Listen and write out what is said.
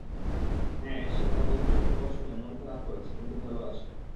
হ্যাঁ সে তার বন্ধুর খবর শুনে মন খারাপ করেছে, কিন্তু ভালো আছে।